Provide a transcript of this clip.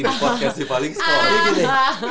di podcast di paling sekolah